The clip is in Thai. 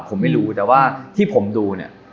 ผมไม่รู้แต่ว่าที่ผมดูเนี่ย